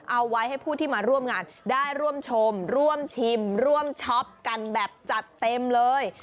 เอาไว้ให้ผู้ที่มาร่วมงานได้ร่วมชมร่วมชิมร่วมช็อปกันแบบจัดเต็มเลย